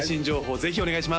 ぜひお願いします